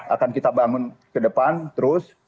akan kita bangun ke depan terus